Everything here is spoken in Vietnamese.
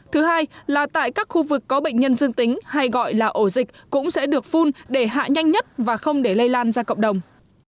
thứ hai là tại các khu vực có bệnh nhân dương tính hay gọi là ổ dịch cũng sẽ được phun để hạ nhanh nhất và không để lây lan ra cộng đồng